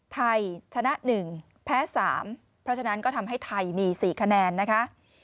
ไทยชนะ๑แพ้๓เพราะฉะนั้นก็ทำให้ไทยมี๔คะแนนนะคะ